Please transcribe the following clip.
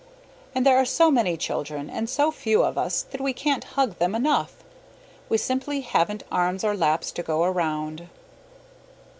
And there are so many children and so few of us that we can't hug them enough; we simply haven't arms or laps to go around.